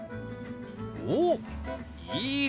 おっいいですね！